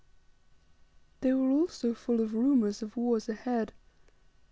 They were also full of rumors of wars ahead.